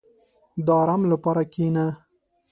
• د آرام لپاره کښېنه.